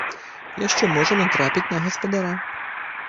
Яшчэ можам натрапіць на гаспадара.